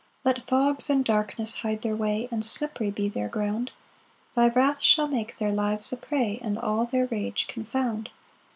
4 Let fogs and darkness hide their way, And slippery be their ground; Thy wrath shall make their lives a prey, And all their rage confound.